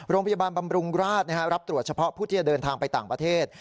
บำรุงราชรับตรวจเฉพาะผู้ที่จะเดินทางไปต่างประเทศ